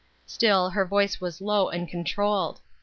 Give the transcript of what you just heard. Still her voice was low and controlled.